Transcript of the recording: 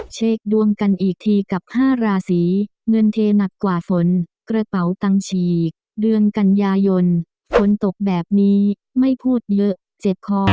เช็คดวงกันอีกทีกับ๕ราศีเงินเทหนักกว่าฝนกระเป๋าตังฉีกเดือนกันยายนฝนตกแบบนี้ไม่พูดเยอะเจ็บคอ